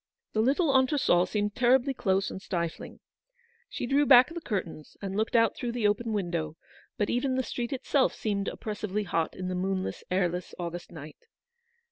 The little entresol seemed terribly close and stifling. She drew back the curtains, and looked out through the open window; but even the 110 Eleanor's victory. street itself seemed oppressively hot in the moonless, airless August night.